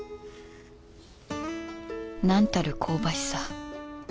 なんたる香ばしさ。